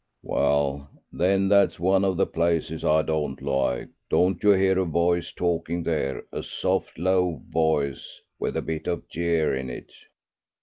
"Well, then, that's one of the places I don't like. Don't you hear a voice talking there, a soft, low voice, with a bit of a jeer in it?"